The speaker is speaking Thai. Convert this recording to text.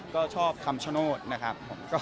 ก็ชอบคำชโนธนะครับ